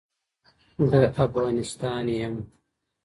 د څلورو لويو آسماني کتابونو نومونه